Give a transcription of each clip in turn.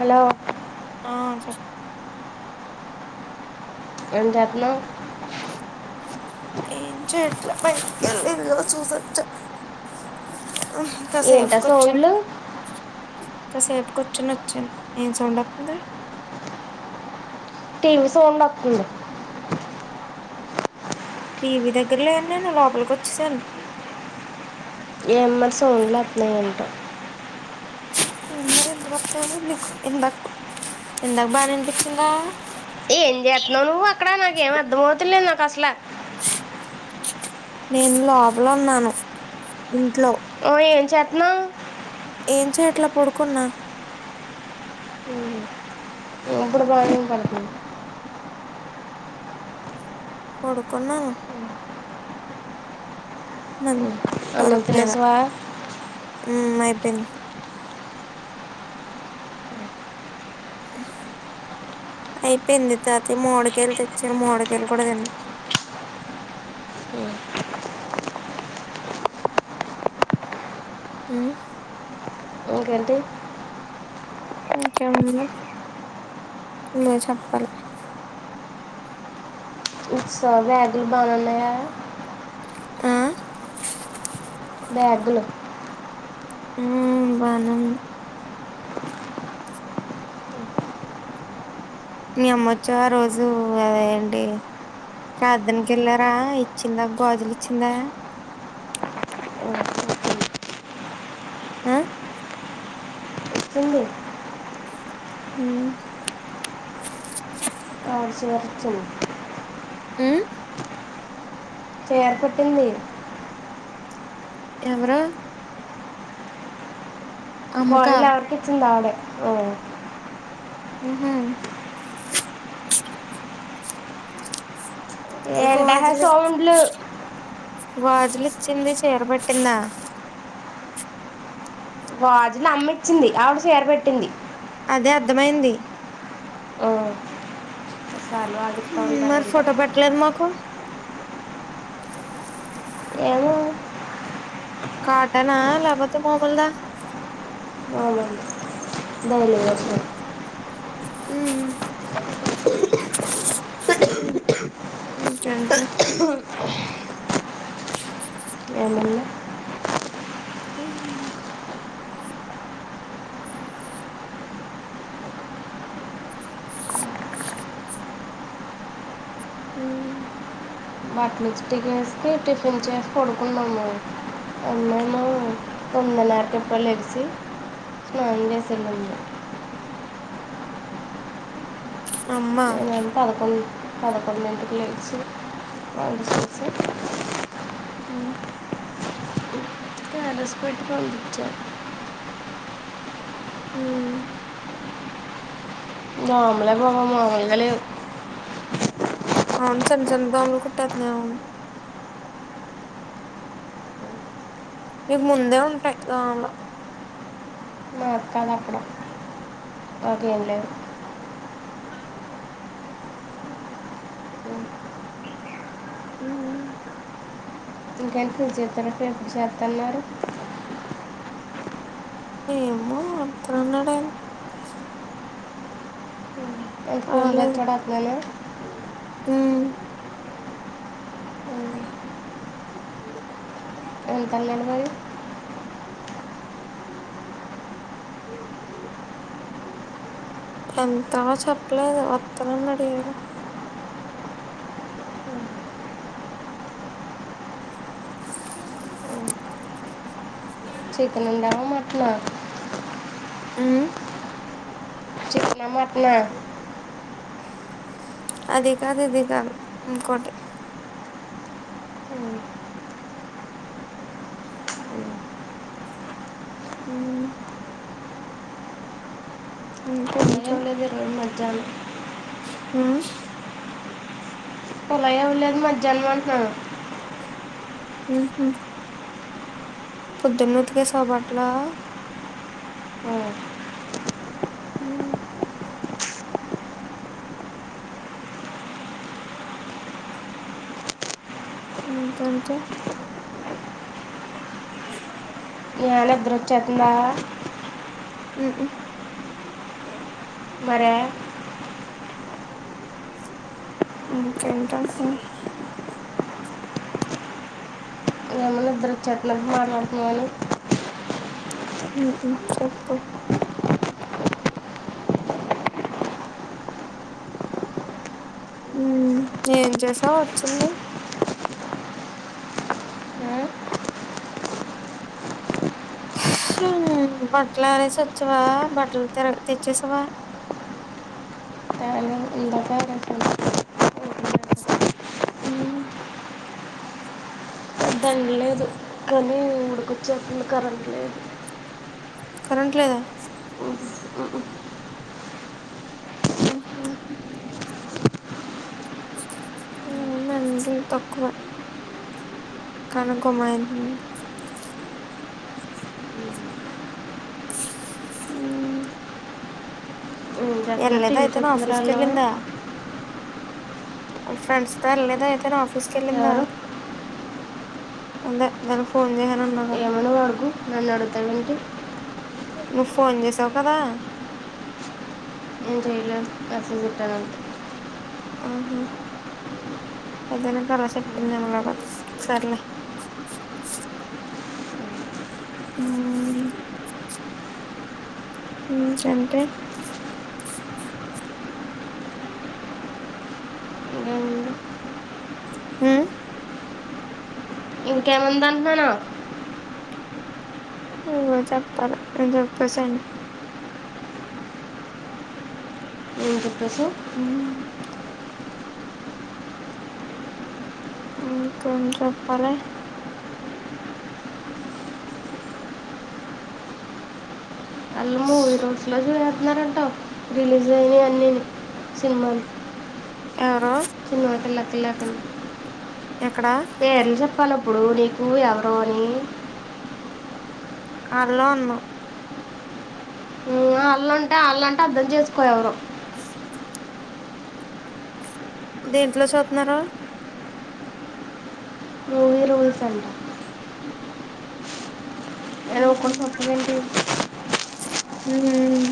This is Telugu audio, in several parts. హలో ఆ చెప్పు ఏం చేత్నావ్ ఏం చె ట్లే బయట్కెళ్ళి చేసి వచ్చా కాసేపు ఏంటా కూర్చుని సౌండ్లు కాసేపు కూర్చొని వచ్చాను ఏం సౌండ్ వత్తంది. టీ వి సౌండ్ వత్తంది. టీవీ దగ్గర లేను నేను లోపలికొచ్చేసాను ఏం మరి సౌండ్లు వత్తనయ్ ఎంటో ఏమో ఎందుకు వత్తనాయో నీకు ఇందాక బానే ఇనిపించిందా ఏం జేత్నావ్ నువ్వు అక్కడ నాకు ఏం అర్ధం అవుతలేదు నాకు అసల నేను లోపల ఉన్నాను ఇంట్లో ఓయ్ ఏం చెత్నావ్ ఏం చెయట్లే పడుకున్నా ఇప్పుడు బానే ఇనపడతంది పడుకున్నాను మం అన్నం తినేసావ మ్ అయిపోయింది హ అయిపోయింది తాతయ మావ్డికాయలు తెచ్చారు మావ్డికాయలు కూడా తిన్నాం మ్ ఇంకేంటి ఇంకేం ఉంది నువ్వే చెప్పాలి ఇచ్చేసావ బ్యాగ్లు బానే ఉన్నాయ ఆ.. బ్యాగ్లు మ్ బానే ఉన్నాయ్ మీ అమ్మ వచ్చి ఆ రోజు అ ఏంటి ప్రార్థన కెళ్ళార ఇచ్చిందా గాజులు ఇచ్చిందా ఆ, అ.. ఇచ్చింది మ్ ఫాస్టర్ గారికిచ్చింది. మ్ చీర పెట్టింది ఎవరు అమ్మకా గాజులు ఆవిడికే ఇచ్చింది ఆమె మ్ మ్ హు ఏంటా హే గాజులు సౌండ్లు గాజులు ఇచ్చింది చీర పెట్టింద గాజులు అమ్మిచ్చింది ఆవిడ చిర పెట్టింది అదే అర్థమయింది ఓ మరి ఫోటో పెట్టలేదు మాకు ఏమో కాటనా లేపోతే మామోలదా అవునవును డైలీవేరికి ఉమ్మ్ ఇంకెంటే ఏ ఏమో అ అమ్మలు తోమిదినారాకో ఎపుడో లెగిసి స్నానం చేసి వెళ్ళింది అమ్మ నేను పదకొండు పదకొండు ఇంటికి లేచి తనం చేసి ఆ క్యారేజ్ పెట్టుకుని వచ్చా హ్మ్మ్ దోమలే బాబా మామూలుగా లేవు అవును చిన్న చిన్న దోమలు కుటేతున్నాయి అవును మీకు ముందే ఉంటాయి దోమలు అట్లేంలేవు హమ్మ్ ఇంకేంటి పులుసేటి ఎపుడు చెత్త అన్నారు ఏమో వత్తానాడ్ ఎంత ఫోన్ రాలేదు తెచ్చాడు అతను హ్మ్మ్ ఎంతనడుమరి ఎంత చెప్పలేదు వస్తన్నాడు ఏమో చికెన్ ఉందా మటన్ నా ఆ చికెన్ నా మటన్ నా అది కాదూ ఇది కాదు ఉంకోట హ్మ్మ్ ఉమ్ ఏంలేదు ఈరోజు మధ్యాహ్నం హ్మ్ కుళాయి ఇవ్వలేదు మధ్యాహ్నం అంటునాను ఉహామ్ పొద్దునుతికేశవ బట్టలు "ఆ, ఉమ్ ఉమ్ కొంచం య నిద్రొచేతందా ఉహామ్ మారేయ్ ఇంకెకస్ ఏమో నిద్రొచెతునట్టు మాట్లాడుత్నవని మ్మ్ హ్మ్ చెప్పు ఏం చేసాం వచ్చింది హ్మ్ బట్టలు అరేసి వచ్చావా బట్టలు తెర తెచ్చేసావా ఇందాక రసం మ్మ్ దని లేదు కానీ ఉడుకొచ్చేతుంది కరెంట్ లేదు కరెంట్ లేదా ఉఓ మ్మ్ హ్మ్ మ్మ్ [unintelligible] తక్కువ కనకు మై మ్మ్ ఏం చేస్తున్నారు టీవీ ఎల్లేదయితే చూస్తున్నారు నాఫీస్ వాళ్ళు కెళ్లింద వాళ్ళ ఫ్రెండ్స్ త వెళ్లేదా అయితేనా ఆఫీస్ కెళ్ళిందా ఎవరు ఉందే నేను ఫోన్ చేయ ఏమన్న వాడుకో నన్నడుగుతాడంటే నువ్వు ఫోన్ చేసావు కదా నేను చేయలేదు అసలు చెప్పానా ఆహా ఇదెందుకల చెప్పందిమల్ల సర్లే మ్మ్ ఏంటంటే ఇంకేముంది మ్మ్ ఇంకెవలు దాంతనా నువ్వే చెప్పాలి నేను చెప్పేశాను ఏం చెప్పేసావ్ మ్మ్ మ్మ్ కొంటప్పాలె ఆళ్లు మూడు రోజులలో చూసేత్తనారన్ రిలీజ్ వయినయన్నిను సినిమాలు ఎవరు చిన్నవాటిలకిలాక్క ఎక్కడ పేర్లు చెప్పాల ఇప్పుడు నీకు ఎవరు అని ఆళ్లు అన్నావ్ మ్మ్ ఆళ్లంటే ఆళ్లంటే అర్ధం చేసుకో ఎవరో స దేంట్లో చూత్నారు మూవీ రూల్స్ అంట ఏదో ఒక్క సప్పందంటి మ్మ్ హ్మ్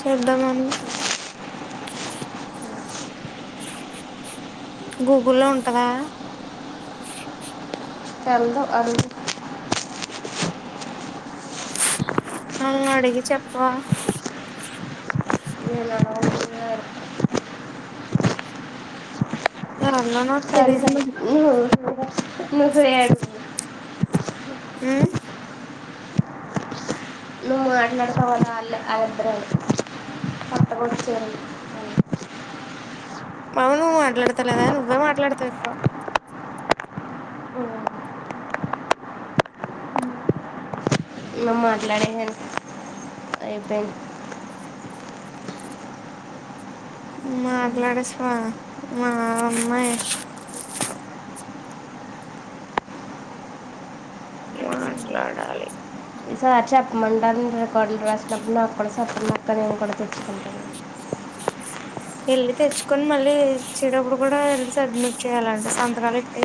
చెప్దామని గూగుల్లో ఉంటదా తెల్దు అడుగు ఆల్నడిగి చెప్పవా నేనడగను నేనన్నాన తెలీదు మరి లూజు హెయిర్స్ మ్మ్ మా ఆయన [unintelligible] చాలే [unintelligible] కట్టకూడ చీరలు మౌను మాట్లాడతాలేదా నువ్వే మాట్లాడతావ్ ఎక్కువ ఉ మేము మాట్లాడేది అయిపోయింది మాట్లాడుస్వా మా అమ్మాయి మాట్లాడాలి ఈ సారి [unintelligible] రికార్డులు రాసినప్పుడు నాకు కూడా చెప్పండి అక్కా నేను కూడా తెచ్చుకుంటాను వెళ్ళి తెచ్చుకొని మళ్ళీ ఇచ్చేటప్పుడు కూడా వెళ్ళి సాద్మిట్ చేయాలంట సంతకాలు పెట్టీ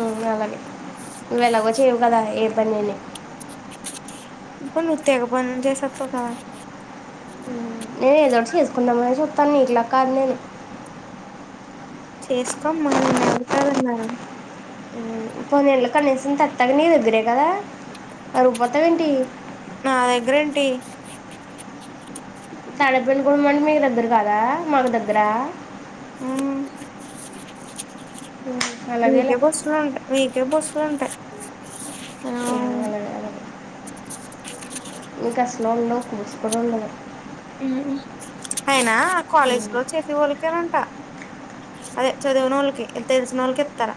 ఉమ్, అలాగే నువ్వు ఎలాగో చేయవు కదా ఏ పనిని నీ నువ్వు తెగ పనిచేత్తవ్ కదా నేను ఏదోటి చేసుకుందామని అని చూస్తాన్న ఇండ్ల కాడా నేను చేసుకో అమ్మ నిన్ను ఎవరు కాదన్నారు [unintelligible] కనీసం తత్తగా నీ దగ్గరే కదా రబ్బీతావ ఏంటి టి తడపం గుడ అంటే మీకు దగ్గర కదా మాకు దగ్గర ఉ ఉమ్, అలాగేలే మీకే బస్లుంటాయీ మీకే బస్సులు ఉంటయ్ ఏ [inaudible] మీకు అసలు ఉండవు బస్ కూడా ఉండదు ఊ అయినా కాలేజ్ ఉమ్. లో చేసేవాళ్ళకి ఇచ్చారంట అదే చదువ నోళ్ళకి తెలిసిన నోళ్ళకే ఇత్తరా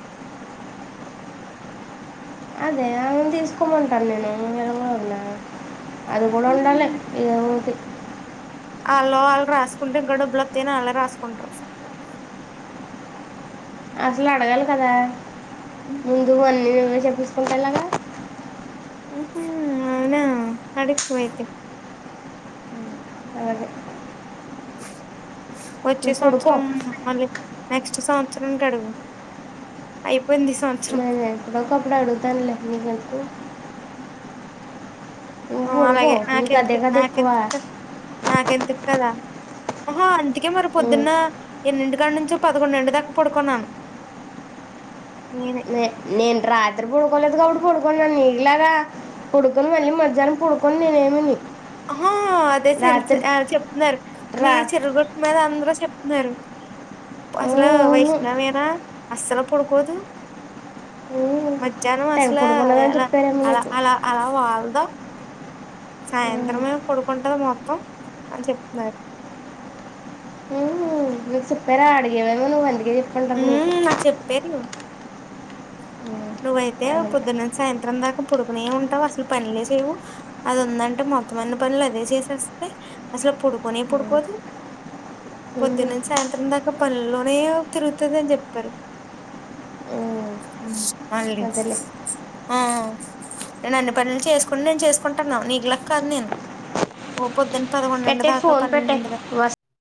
అదే అను ను తీసుకోమంటాను నేను ఏమన్నా అది కూడా ఉండాలే ఏదో ఒకటి వాళ్ళు వాళ్ళు రాసుకుంటే కూడా డబ్బులు వస్తాయని వాళ్ళే రాసుకుంటారు అసలు అడగాలి కదా ముందు అన్నీ చెప్పించుకోలేద ఉహు అవునా అడుగు పో అయితే అలాగే వచ్చే నువ్వు పడుకో సంవత్సరం వత్తాండ్లే నెక్స్ట్ సంవత్సరం కడుగు అయిపోయింది ఈ సంవత్సరం [unintelligible] నువ్వు పడుకో అలాగే నీకు అదే నాకెంతకి కదా ఎక్కువ నాకెంతకి నాకెంతకి కదా ఆహా అందుకే మరి ఉం. పొద్దున్న ఎన్నింటి కాడా నుంచి పదకొండింటి దాకా పడుకున్నాను నేనే నే నేను రాత్రి పడుకోలేదు కాబట్టి పడుకున్నాను నీకులాగా పడుకొని మళ్ళీ మ ధ్యానం పడుకొని నేనేమిని ఆహా అదే తెలిసి చెప్తున్నారు మీ రా చిర్రగుట్ మీద అందరూ చెప్ న్నారు ఆ, అసలు అవును వైష్ణవేనా అస్సలు పడుకోదు ఆ, మధ్యాహ్నం తెగ అసలు పడుకున్నదని ఎలా చెప్పారేమో అలా నీకు అలా అలా వాల్దూ ఉమ్. సాయంత్రం ఏ పడుకుంటది మొత్తం అని చెప్తున్నారు నువ్వు చెప్పేరా అడిగేవేమో నువ్వు అందుకే చెప్పంటారు నీకు ఉమ్ నాకు చెప్పారు ఉమ్. నువ్వైతే అలాగే పొద్దున్న నుంచి సాయంత్రం దాకా పడుకునే ఉంటావు అసలు పనిలే చేయవు అది ఉందంటే మొత్తం అన్ని పనులు అదే చేసేస్తాది అసలు పడుకనే ఉమ్. పడుకోదు పొద్దున్న ఉమ్. నుంచి సాయంత్రం దాకా పనులోనే తిరుగుతది అని చెప్పారు ఉమ్. ఉ మళ్ళీ అదేలే ఆ నేను అన్ని పనులు చేసుకుని నేను చేసుకుంటున్నా నీకులా కాదు నేను ఓ పొద్దున పదకొండింటి పెట్టే దాకా ఫోన్ పెట్టే పన్నెండింటి దాకా వస్